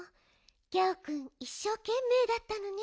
ギャオくんいっしょうけんめいだったのね。